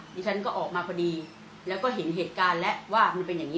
ดิฉันก็ออกมาพอดีแล้วก็เห็นเหตุการณ์แล้วว่ามันเป็นอย่างนี้